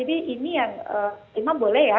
ini yang imam boleh ya